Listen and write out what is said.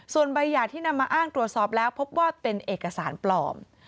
ส่วนใบหย่าที่นำมาอ้างตรวจสอบแล้วพบว่าเป็นเอกสารปลอม